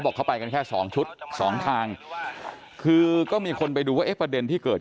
บอกเข้าไปกันแค่๒ชุด๒ทางคือก็มีคนไปดูว่าประเด็นที่เกิด